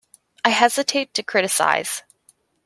I hesitate to criticise.